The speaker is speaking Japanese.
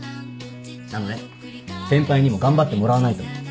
なので先輩にも頑張ってもらわないと。